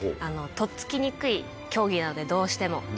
とっつきにくい競技なのでどうしても。